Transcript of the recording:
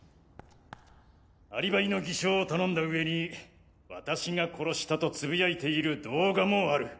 アリバイの偽証を頼んだ上に「私が殺した」と呟いている動画もある。